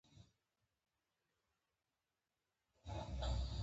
پکورې له بدمرغیو سره هم خوړل کېږي